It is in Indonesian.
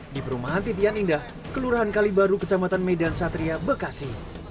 di perumahan titian indah kelurahan kalibaru kecamatan medan satria bekasi